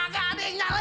gak ada yang nyari